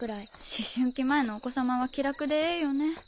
思春期前のお子さまは気楽でええよね。